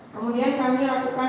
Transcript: kemudian kami lakukan